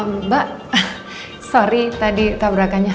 mbak sorry tadi tabrakannya